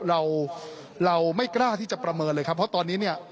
เราเราไม่กล้าที่จะประเมินเลยครับเพราะตอนนี้เนี่ย